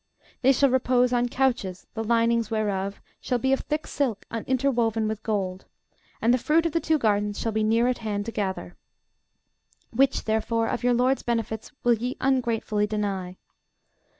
They shall repose on couches, the linings whereof shall be of thick silk interwoven with gold; and the fruit of the two gardens shall be near at hand to gather. Which, therefore, of your LORD'S benefits will ye ungratefully deny?